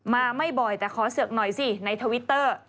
ไม่บ่อยแต่ขอเสือกหน่อยสิในทวิตเตอร์